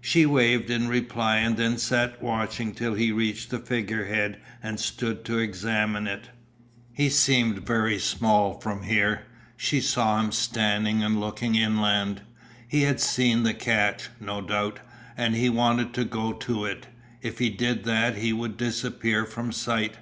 She waved in reply and then sat watching till he reached the figure head and stood to examine it. He seemed very small from here. She saw him standing and looking inland, he had seen the cache, no doubt, and he would want to go to it; if he did that he would disappear from sight.